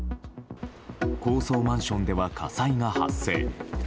高層マンションでは火災が発生。